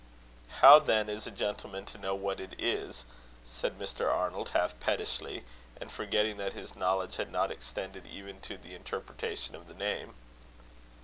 "How, then, is a gentleman to know what it is?" said Mr. Arnold, half pettishly, and forgetting that his knowledge had not extended even to the interpretation of the name.